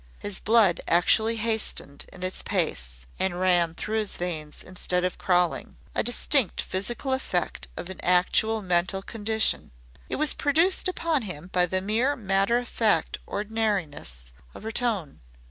His blood actually hastened its pace, and ran through his veins instead of crawling a distinct physical effect of an actual mental condition. It was produced upon him by the mere matter of fact ordinariness of her tone.